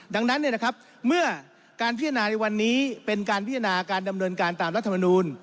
ดังนั้นเมื่อการพิจารณาในวันนี้เป็นการพิจารณาการดำเนินการตามรัฐมนูล